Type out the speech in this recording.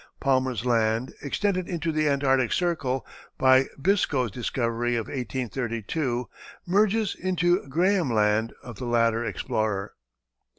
Palmer's Land, extended into the Antarctic Circle by Biscoe's discoveries of 1832, merges into Graham Land of the latter explorer.